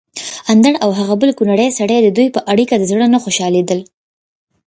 اندړ او هغه بل کونړی سړی ددوی په اړېکه د زړه نه خوشحاليدل